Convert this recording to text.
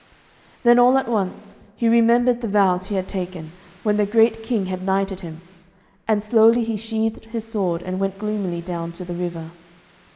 Then, all at once, he remembered the vows he had taken, when the great King had knighted him, and slowly he sheathed his sword, and went gloomily down to the river.